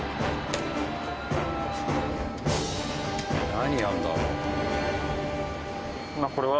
何やるんだろう？